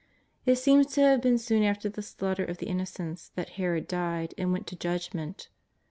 It seems to have been soon after the slaughter of the Innocents that Herod died and went to Judgment.